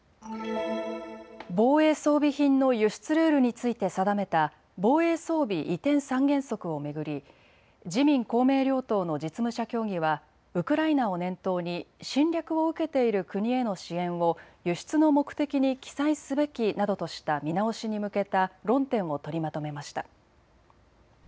防衛装備品の輸出ルールについて定めた防衛装備移転三原則を巡り自民公明両党の実務者協議はウクライナを念頭に侵略を受けている国への支援を輸出の目的に記載すべきなどとした見直しに向けた論点を取りまとめました。